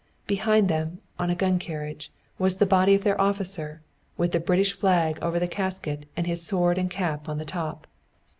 Behind them, on a gun carriage, was the body of their officer, with the British flag over the casket and his sword and cap on the top.